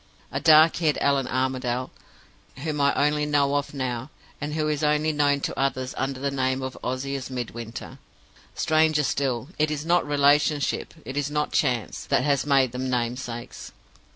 A dark haired Allan Armadale, whom I only know of now, and who is only known to others under the name of Ozias Midwinter. Stranger still; it is not relationship, it is not chance, that has made them namesakes.